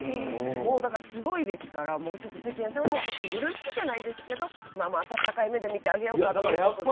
もうすごいですから世間様も許すじゃないですけど温かい目で見てあげようかということで。